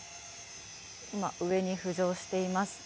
今、上に浮上しています。